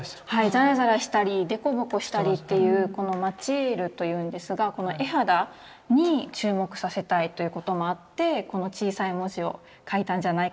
ザラザラしたりでこぼこしたりというこのマチエールというんですがこの絵肌に注目させたいということもあってこの小さい文字を描いたんじゃないかなって。